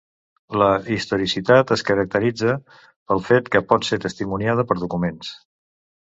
La historicitat es caracteritza pel fet que pot ser testimoniada per documents.